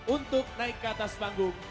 untuk naik ke atas panggung